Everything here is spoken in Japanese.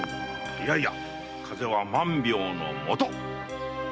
いやいや風邪は万病のもと！